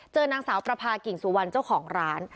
นางสาวประพากิ่งสุวรรณเจ้าของร้าน